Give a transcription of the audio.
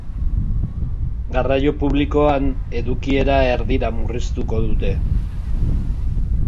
Garraio publikoan, edukiera erdira murriztuko dute.